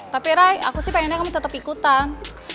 tapi ray aku sih pengennya kami tetap ikutan